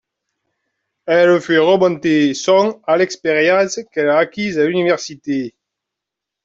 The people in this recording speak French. Elle fait remonter son à l'expérience qu'elle a acquise à l'université.